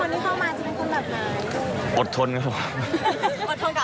แล้วคนที่เข้ามาจะเป็นคนแบบไหน